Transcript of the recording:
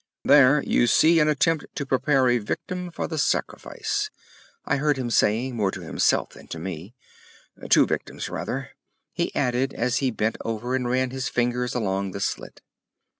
"There, you see an attempt to prepare a victim for the sacrifice," I heard him saying, more to himself than to me, "two victims rather," he added as he bent over and ran his fingers along the slit.